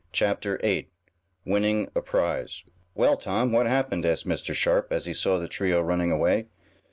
Chapter 8 Winning a Prize "Well, Tom, what happened?" asked Mr. Sharp, as he saw the trio running away.